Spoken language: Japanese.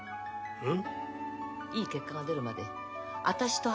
うん？